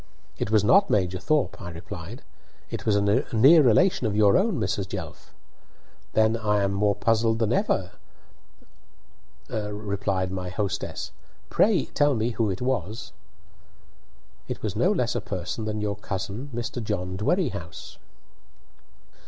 "It was not Major Thorp," I replied; "it was a near relation of your own, Mrs. Jelf." "Then I am more puzzled than ever," rep! my hostess. "Pray tell me who it was." "It was no less a person than your cousin, Mr. John Dwerrihouse."